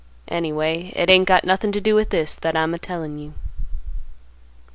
Anyway, it ain't got nothing to do with this that I'm a tellin' you.